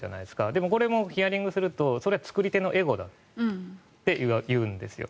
でも、これもヒアリングするとそれは作り手のエゴだってみんな言うんですよ。